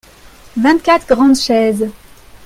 vingt quatre grandes chaises.